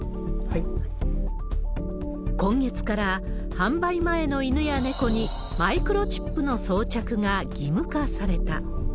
今月から、販売前の犬や猫にマイクロチップの装着が義務化された。